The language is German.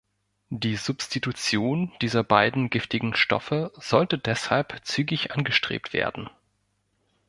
Die Substitution dieser beiden giftigen Stoffe sollte deshalb zügig angestrebt werden.